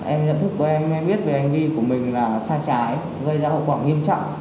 em nhận thức của em em biết về hành vi của mình là sai trái gây ra hậu quả nghiêm trọng